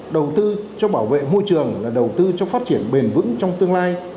đầu tư cho bảo vệ môi trường là đầu tư cho phát triển bền vững trong tương lai